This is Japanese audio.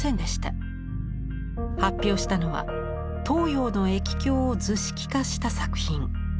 発表したのは東洋の易経を図式化した作品。